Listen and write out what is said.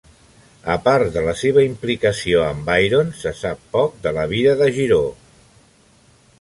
A part de la seva implicació amb Byron, se sap poc de la vida de Giraud.